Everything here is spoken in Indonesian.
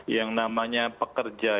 yang namanya pekerja